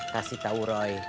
kasih tahu roy